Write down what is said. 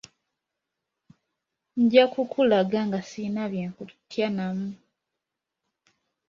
Nja kukulaga nga sirina bye nkutya namu.